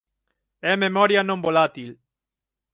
É memoria non volátil.